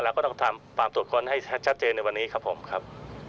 เราก็ต้องทำความตรวจค้นให้ชัดเจนในวันนี้ครับผมครับ